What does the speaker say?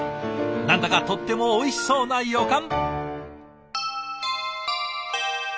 何だかとってもおいしそうな予感！